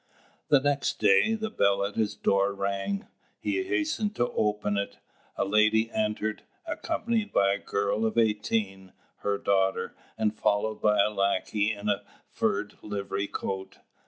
The next day, the bell at his door rang. He hastened to open it. A lady entered, accompanied by a girl of eighteen, her daughter, and followed by a lackey in a furred livery coat.